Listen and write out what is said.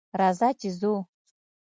راځه چې ځو